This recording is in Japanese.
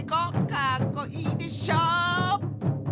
かっこいいでしょ！